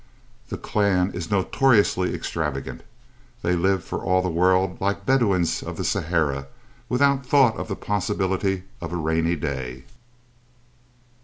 The clan is notoriously extravagant. They live for all the world like Bedouins of the Sahara without thought of the possibility of a rainy day.